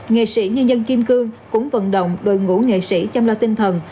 nghệ sĩ nhân dân kim cương cũng vận động đội ngũ nghệ sĩ chăm lo tinh thần